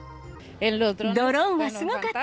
ドローンはすごかった。